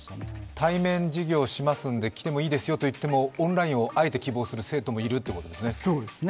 対面授業しますんで来てもいいですよと言ってもオンラインをあえて希望する生徒もいるということですね。